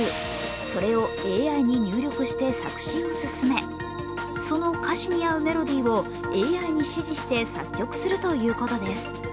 それをＡＩに入力して作詞を進め、その歌詞に合うメロディーをＡＩに指示して作曲するということです。